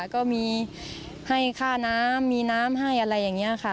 ก็มีให้ค่าน้ำมีน้ำให้อะไรอย่างนี้ค่ะ